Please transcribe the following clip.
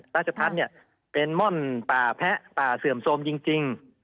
ราชพัฒน์เนี่ยเป็นม่อนป่าแพะป่าเสื่อมโทรมจริง